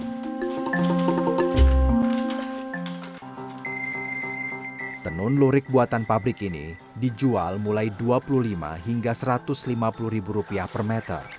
tenun lurik buatan pabrik ini dijual mulai dua puluh lima hingga satu ratus lima puluh ribu rupiah per meter